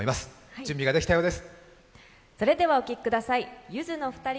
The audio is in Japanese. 準備できたようです。